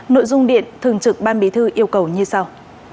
nội dung điện thường trực ban bí thư yêu cầu như sau